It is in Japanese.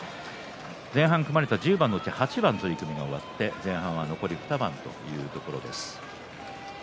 前半組まれて１０番のうち８番が終わって前半は残り２番です。